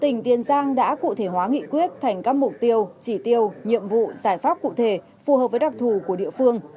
tỉnh tiền giang đã cụ thể hóa nghị quyết thành các mục tiêu chỉ tiêu nhiệm vụ giải pháp cụ thể phù hợp với đặc thù của địa phương